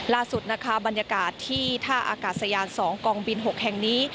ล่าสุดนะคะบรรยากาศที่ท่าอากาศยาน๒กองบิน๖แห่งนี้